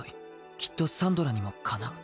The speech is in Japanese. きっとサンドラにもかなう。